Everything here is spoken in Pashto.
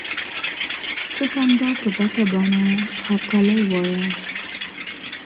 د خندا په ډکه بڼه هرکلی وایه.